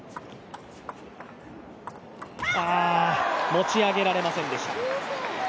持ち上げられませんでした。